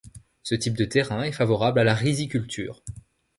Ce type de terrain est favorable à la riziculture.